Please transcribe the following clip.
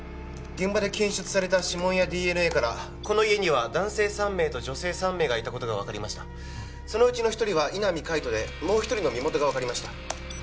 現場で検出された指紋やＤＮＡからこの家には男性３名と女性３名がいたことが分かりましたそのうちの一人は井波海人でもう一人の身元が分かりました